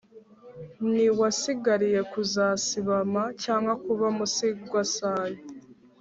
Ntiwasigariye kuzasibama Cyangwa kuba musigwasayo